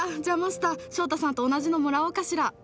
じゃあマスター翔太さんと同じのもらおうかしら。